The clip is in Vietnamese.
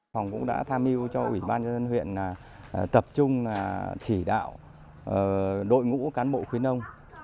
hồng cũng đã tham hiu cho ủy ban dân huyện tập trung chỉ đạo đội ngũ cán bộ khuyến nông